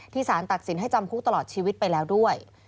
สารตัดสินให้จำคุกตลอดชีวิตไปแล้วด้วย